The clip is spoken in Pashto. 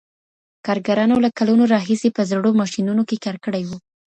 کارګرانو له کلونو راهيسې په زړو ماشينونو کار کړی و.